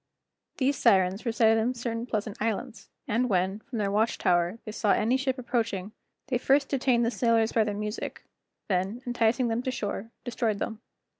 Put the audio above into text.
These Sirens resided in certain pleasant islands, and when, from their watch tower, they saw any ship approaching, they first detained the sailors by their music, then, enticing them to shore, destroyed them.